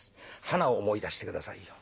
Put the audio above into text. はなを思い出して下さいよ。